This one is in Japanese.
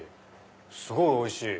すごいおいしい！